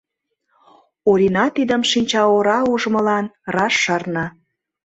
Орина тидым шинчаора ужмылан раш шарна.